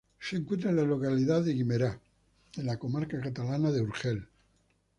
Se encuentra en la localidad de Guimerá, en la comarca catalana del Urgel.